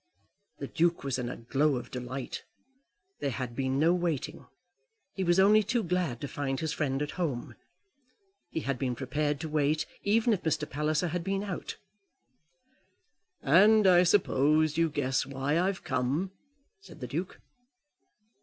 The Duke was in a glow of delight. There had been no waiting. He was only too glad to find his friend at home. He had been prepared to wait, even if Mr. Palliser had been out. "And I suppose you guess why I'm come?" said the Duke.